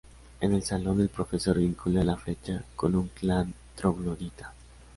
En el salón, el "profesor" vincula la flecha con un clan troglodita.